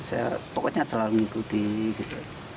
saya pokoknya selalu mengikuti gitu